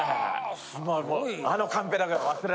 すごいな。